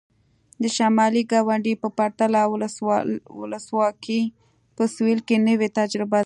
د شمالي ګاونډي په پرتله ولسواکي په سوېل کې نوې تجربه ده.